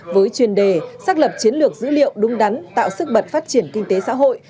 với chuyên đề xác lập chiến lược dữ liệu đúng đắn tạo sức bật phát triển kinh tế xã hội